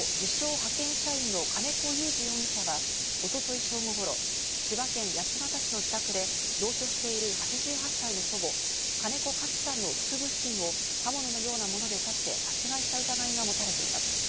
・派遣社員の金子祐治容疑者はおととい正午頃、千葉県八街市の自宅で同居している８８歳の祖母・金子カツさんの腹部付近を刃物のようなもので刺して殺害した疑いが持たれています。